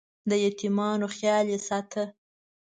د یتیمانو خیال یې ساته.